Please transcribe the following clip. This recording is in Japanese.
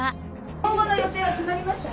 今後の予定は決まりましたか？